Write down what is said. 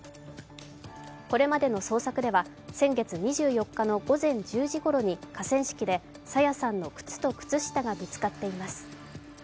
これまでの捜索では、先月２４日の午前１０時ごろに河川敷で朝芽さんの靴と靴下が見つかっています。